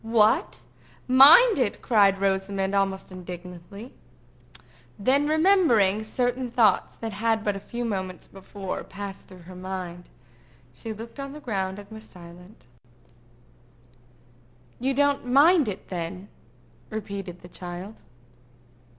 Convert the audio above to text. "What! mind it?" cried Rosamond, almost indignantly. Then remembering certain thoughts that had but a few moments before passed through her mind, she looked on the ground and was silent. "You don't mind it, then?" repeated the child.